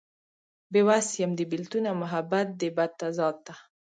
بې وس يم د بيلتون او محبت دې بد تضاد ته